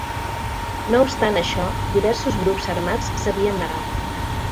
No obstant això, diversos grups armats s'havien negat.